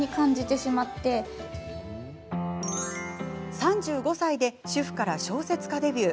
３５歳で主婦から小説家デビュー。